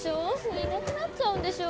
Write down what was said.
いなくなっちゃうんでしょ？